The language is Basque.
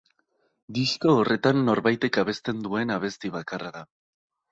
Disko horretan norbaitek abesten duen abesti bakarra da.